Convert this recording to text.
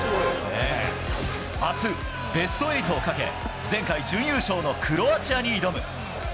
あす、ベスト８をかけ、前回準優勝のクロアチアに挑む。